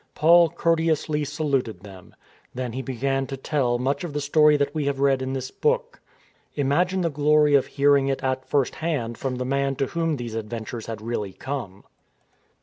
Paul courte ously saluted them. Then he began to tell much of the story that we have read in this book. Imagine the glory of hearing it at first hand from the man to whom these adventures had really come!